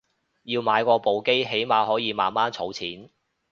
要買過部機起碼可以慢慢儲錢